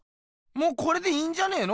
もうこれでいいんじゃねえの？